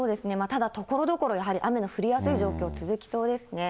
ただ、ところどころやはり雨の降りやすい状況、続きそうですね。